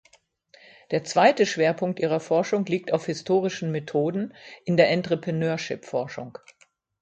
Der zweite Schwerpunkt ihrer Forschung liegt auf historischen Methoden in der Entrepreneurship Forschung.